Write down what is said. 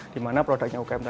dimana produknya ukm tadi dirilis